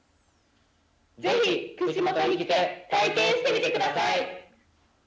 ぜひ串本に来て、体験してみてください。